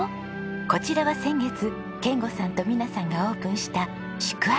こちらは先月賢吾さんと美奈さんがオープンした宿泊施設です。